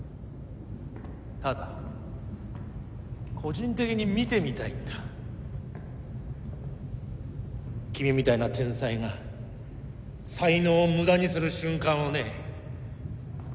ただ個人的に見てみたいんだ君みたいな天才が才能を無駄にする瞬間をね